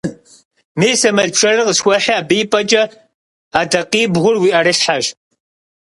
Мис а мэл пшэрыр къысхуэхьи, абы и пӀэкӀэ адакъибгъур уи Ӏэрылъхьэщ.